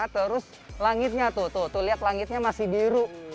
terus langitnya tuh lihat langitnya masih biru